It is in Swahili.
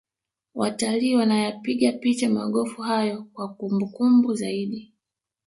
watalii wanayapiga picha magofu hayo kwa kumbukumbu zaidi